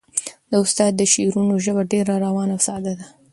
د استاد د شعرونو ژبه ډېره روانه او ساده ده.